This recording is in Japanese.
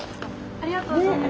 ありがとうございます。